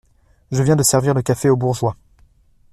Je viens de servir le café aux bourgeois !